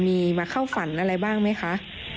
มีมาเข้าฝันอะไรบ้างไหมคะ